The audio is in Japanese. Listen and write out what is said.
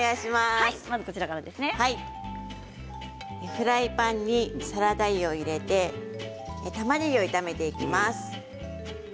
フライパンにサラダ油を入れてたまねぎを炒めていきます。